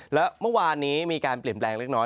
แล้วเมื่อวานนี้มีการเปลี่ยนแปลงเล็กน้อย